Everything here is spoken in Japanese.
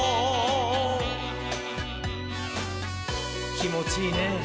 きもちいいねぇ。